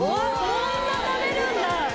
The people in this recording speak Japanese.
「そんな食べるんだ」